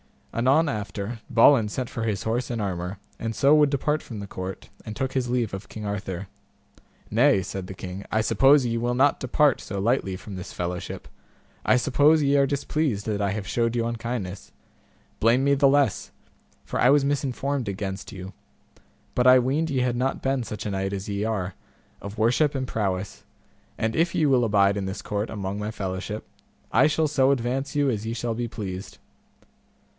Anon after, Balin sent for his horse and armour, and so would depart from the court, and took his leave of King Arthur. Nay, said the king, I suppose ye will not depart so lightly from this fellowship, I suppose ye are displeased that I have shewed you unkindness; blame me the less, for I was misinformed against you, but I weened ye had not been such a knight as ye are, of worship and prowess, and if ye will abide in this court among my fellowship, I shall so advance you as ye shall be pleased.